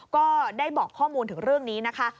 ก็ได้บอกข้อมูลถึงเรื่องนี้นะคะ